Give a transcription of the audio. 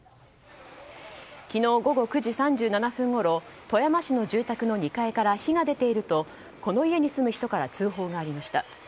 昨日午後９時３７分ごろ富山市の住宅の２階から火が出ているとこの家に住む人から通報がありました。